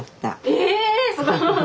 えすごい！